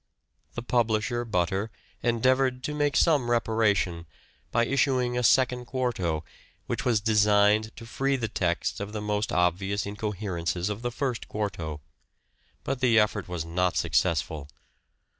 The publisher, Butter, endeavoured to make some reparation ... by issuing a second quarto which was designed to free the text of the most obvious incoherences of the first quarto. But the effort was not successful.